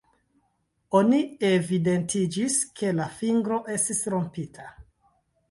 Oni evidentiĝis ke la fingro estis rompita.